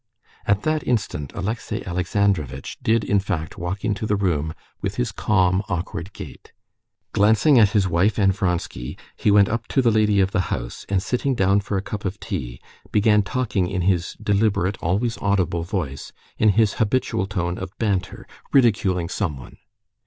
At that instant Alexey Alexandrovitch did in fact walk into the room with his calm, awkward gait. Glancing at his wife and Vronsky, he went up to the lady of the house, and sitting down for a cup of tea, began talking in his deliberate, always audible voice, in his habitual tone of banter, ridiculing someone.